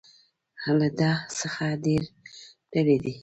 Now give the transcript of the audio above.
له ده څخه ډېر لرې دي.